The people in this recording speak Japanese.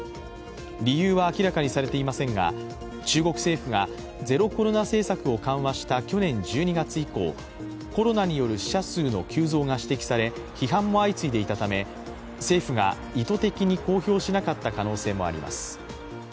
理由は明らかにされていませんが中国政府がゼロコロナ政策を緩和した去年１２月以降、コロナによる死者数の急増が指摘され批判も相次いでいたため政府が意図的に公表しなかった可能性もあります。